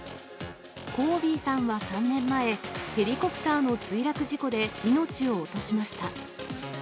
コービーさんは３年前、ヘリコプターの墜落事故で命を落としました。